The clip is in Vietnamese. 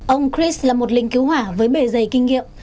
ông chris là một lính cứu hỏa với bề dày kinh nghiệm